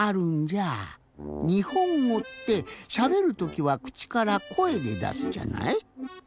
にほんごってしゃべるときはくちからこえでだすじゃない？